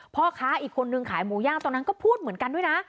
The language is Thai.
พ่อค้าอีกคนนึงขายหมูย่างตอนนั้นก็พูดเหมือนกันด้วยนะ